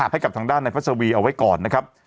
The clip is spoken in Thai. ให้กับทางด้านในพัศวีเอาไว้ก่อนนะครับ